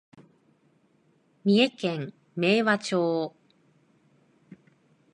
三重県明和町